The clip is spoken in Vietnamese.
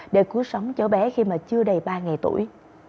để cứu sống cháu bé khi mà chưa đầy ba ngày tuổi